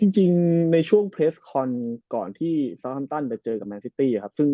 จริงในช่วงพล็สคอลก่อนซัลทันต้านไปเจอกับแมนซิตี้อะ